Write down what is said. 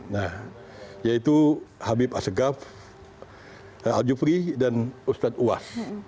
nah yaitu habib asegab aljufri dan ustadz uas